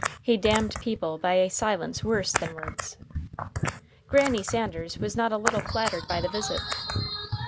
He damned people by a silence worse than words. Granny Sanders was not a little flattered by the visit.